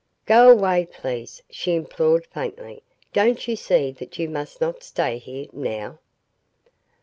"Go away, please," she implored faintly. "Don't you see that you must not stay here now?"